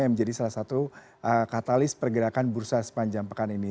yang menjadi salah satu katalis pergerakan bursa sepanjang pekan ini